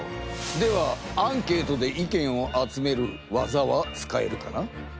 ではアンケートで意見を集める技は使えるかな？